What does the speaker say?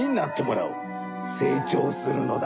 せい長するのだ。